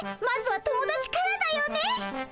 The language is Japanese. まずは友だちからだよね。